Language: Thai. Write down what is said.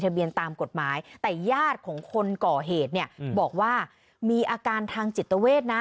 เบียนตามกฎหมายแต่ญาติของคนก่อเหตุเนี่ยบอกว่ามีอาการทางจิตเวทนะ